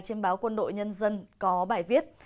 trên báo quân đội nhân dân có bài viết